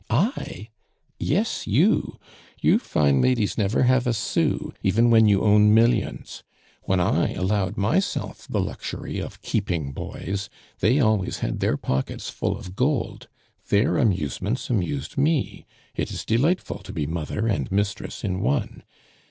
"I?" "Yes, you! You fine ladies never have a son even when you own millions. When I allowed myself the luxury of keeping boys, they always had their pockets full of gold! Their amusements amused me. It is delightful to be mother and mistress in one.